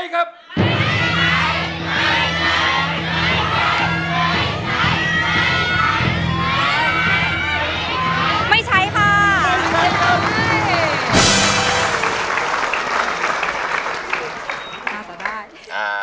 กับเพลงที่๑ของเรา